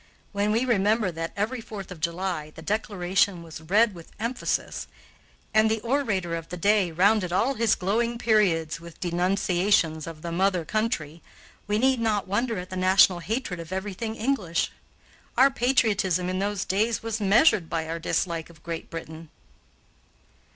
When we remember that, every Fourth of July, the Declaration was read with emphasis, and the orator of the day rounded all his glowing periods with denunciations of the mother country, we need not wonder at the national hatred of everything English. Our patriotism in those early days was measured by our dislike of Great Britain.